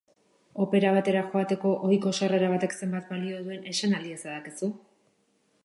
Opera batera joateko ohiko sarrera batek zenbat balio duen esan al diezadakezu?